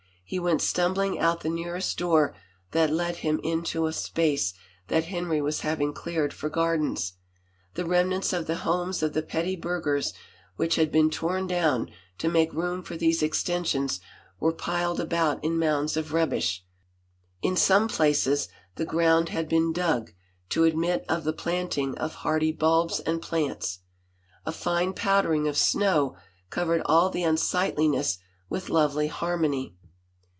He went stumbling out the nearest door that let him into a space that Henry was having cleared for gardens. The remnants of the homes of the petty burghers which had been torn down to make room for these extensions were piled about in mounds of rubbish; in some places the ground had been dug to admit of the planting of hardy bulbs and plants. A fine powdering of snow covered all the unsightliness with lovely harmony.